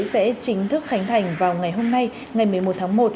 sẽ chính thức khánh thành vào ngày hôm nay ngày một mươi một tháng một